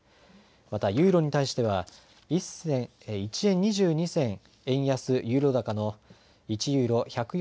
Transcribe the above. またユーロに対しては１円２２銭円安ユーロ高の１ユーロ１４４円